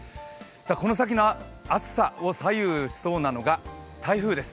この先の暑さを左右しそうなのが台風です。